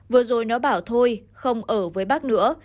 vừa rồi nó bảo thôi không ở với bác nữa